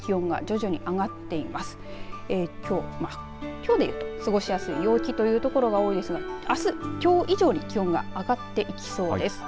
きょうでいうと過ごしやすい陽気という所が多いですがあす、きょう以上に気温が上がっていきそうです。